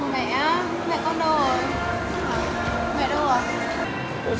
mẹ mẹ con đâu rồi mẹ đâu rồi